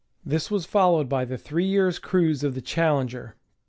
This was followed by the three years' cruise of the Challenger (Br.)